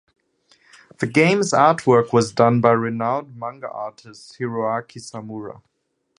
The game's artwork was done by renowned manga artist Hiroaki Samura.